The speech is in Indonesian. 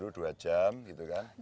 stretching dulu dua jam gitu kan